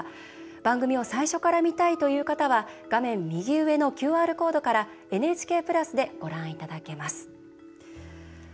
番組を最初から見たいという方は画面右上のＱＲコードからＮＨＫプラスでご覧いただけます。